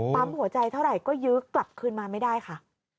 หัวใจเท่าไหร่ก็ยื้อกลับคืนมาไม่ได้ค่ะ